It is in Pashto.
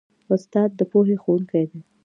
استاد د پوهې ښوونکی دی.